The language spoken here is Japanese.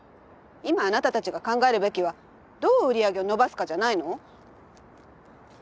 今あなたたちが考えるべきはどう売り上げを伸ばすかじゃないの？